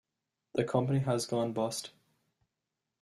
The company has gone bust.